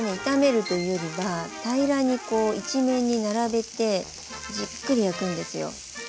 炒めるというよりは平らにこう一面に並べてじっくり焼くんですよ。